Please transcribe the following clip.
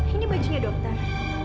ini bajunya dokter